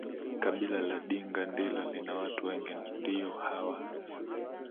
kabila la dinga ndilo lina watu wengi ndiyo wa